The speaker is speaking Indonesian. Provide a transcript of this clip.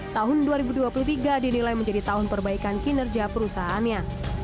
tahun dua ribu dua puluh tiga dinilai menjadi tahun perbaikan kinerja perusahaannya